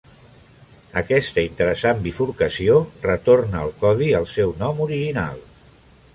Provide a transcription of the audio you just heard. Aquesta interessant bifurcació retorna el codi al seu nom original.